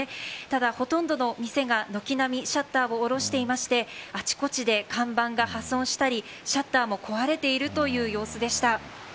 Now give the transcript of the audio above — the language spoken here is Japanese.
ただ、ほとんどの店が軒並みシャッターを下ろしていましてあちこちで看板が破損したりシャッターも壊れているという様子でした。